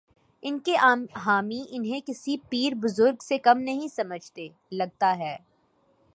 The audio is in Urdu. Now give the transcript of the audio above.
ان کے حامی انہیں کسی پیر بزرگ سے کم نہیں سمجھتے، لگتا ہے۔